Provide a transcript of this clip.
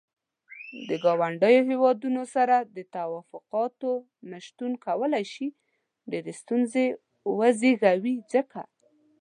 د ګاونډيو هيوادونو سره د تووافقاتو نه شتون کولاي شي ډيرې ستونزې وزيږوي ځکه.